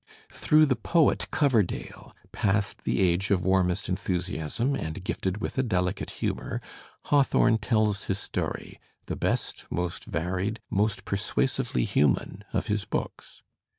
Through the poet, Coverdale, past the age of warmest enthusiasm and gifted with a delicate humour, Hawthorne tells his story, the best, most varied, most persuasively human of his books.